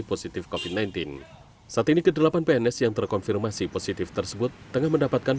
positif covid sembilan belas saat ini kedelapan pns yang terkonfirmasi positif tersebut tengah mendapatkan